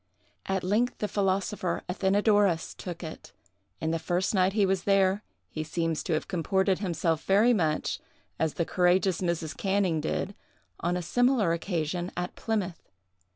At length the philosopher Athenadorus took it; and the first night he was there, he seems to have comported himself very much as the courageous Mrs. Canning did, on a similar occasion, at Plymouth.